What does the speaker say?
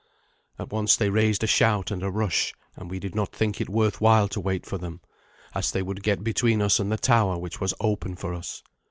At once they raised a shout and a rush, and we did not think it worth while to wait for them, as they would get between us and the tower, which was open for us.